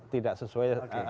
tidak sesuai apa yang dikira oke